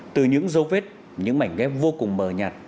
từ những dấu vết những mảnh ghép vô cùng mờ nhạt